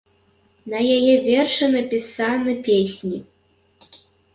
На яе вершы напісаны песні.